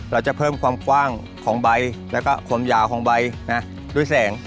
เราจะเพิ่มความกว้างของใบแล้วก็ความยาวของใบด้วยแสง